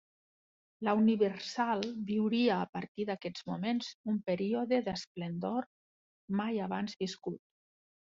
La Universal viuria, a partir d'aquests moments, un període d'esplendor mai abans viscut.